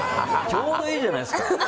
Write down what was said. ちょうどいいじゃないですか。